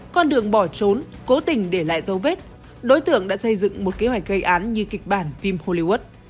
con đường bỏ trốn cố tình để lại dấu vết đối tượng đã xây dựng một kế hoạch gây án như kịch bản phim hollywood